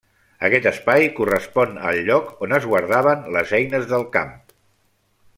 Aquest espai correspon al lloc on es guardaven les eines del camp.